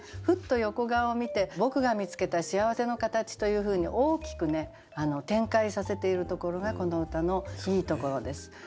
ふっと横顔を見て「ぼくが見つけたしあわせのかたち」というふうに大きくね展開させているところがこの歌のいいところです。